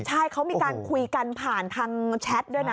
ใช่เขามีการคุยกันผ่านทางแชทด้วยนะ